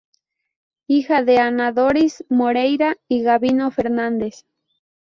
Hija de Ana Doris Moreira y Gabino Fernández.